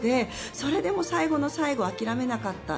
それでも最後の最後諦めなかった。